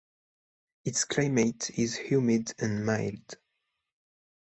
Its climate is humid and mild.